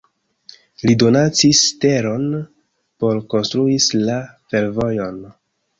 Li donacis teron por konstruis la fervojon.